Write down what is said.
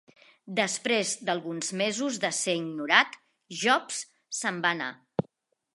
Després d'alguns mesos de ser ignorat, Jobs se'n va anar.